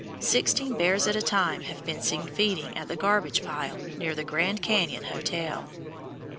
Sixteen bears at a time have been seen feeding at the garbage pile near the Grand Cañon hotel.